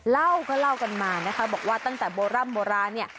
เล่าก็เล่ากันมานะคะบอกว่าตั้งแต่โบร่ำโบราณเนี่ย